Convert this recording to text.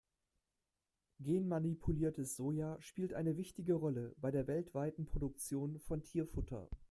Genmanipuliertes Soja spielt eine wichtige Rolle bei der weltweiten Produktion von Tierfutter.